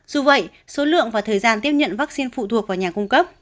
dù vậy số lượng và thời gian tiếp nhận vaccine phụ thuộc vào nhà cung cấp